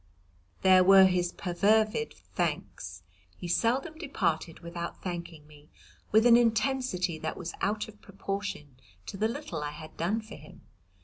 There were his perfervid thanks. He seldom departed without thanking me with an intensity that was out of proportion to the little I had done for him.